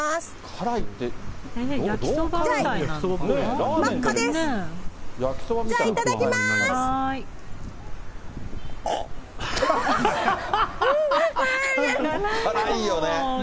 辛いよね。